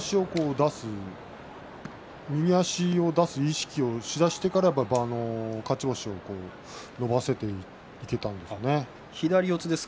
右足を出す意識をしだしてから勝ち星を伸ばしていけたんですね。